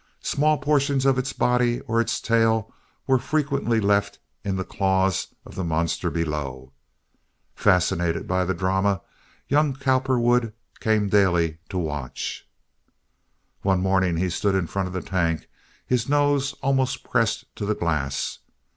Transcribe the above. Small portions of its body or its tail were frequently left in the claws of the monster below. Fascinated by the drama, young Cowperwood came daily to watch. One morning he stood in front of the tank, his nose almost pressed to the glass.